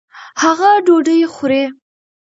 هغه ډوډۍ خوري.